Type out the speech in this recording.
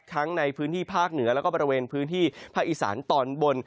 ทั้งในพื้นที่ภาคเหนือแล้วก็บริเวณพื้นที่ภาคอีสานตอนบน